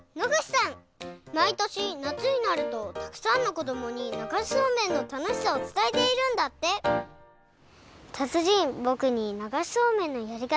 まいとしなつになるとたくさんのこどもにながしそうめんのたのしさをつたえているんだってたつじんぼくにながしそうめんのやりかたをおしえてください！